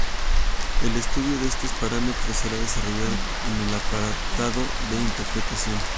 El estudio de estos parámetros será desarrollado en el apartado de interpretación.